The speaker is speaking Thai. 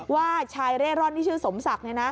ว่าชายเร่ร่อนที่ชื่อสมศักดิ์